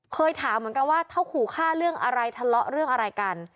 เคยถามเหมือนกันว่าถ้าขู่ฆ่าเรื่องอะไรทะเลาะเรื่องอะไรกัน